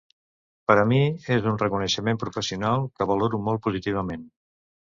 Per a mi, és un reconeixement professional que valoro molt positivament.